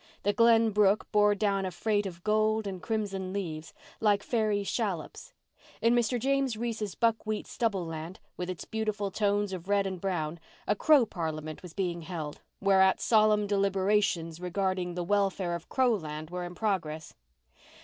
The Glen brook bore down a freight of gold and crimson leaves, like fairy shallops. In Mr. James Reese's buckwheat stubble land, with its beautiful tones of red and brown, a crow parliament was being held, whereat solemn deliberations regarding the welfare of crowland were in progress.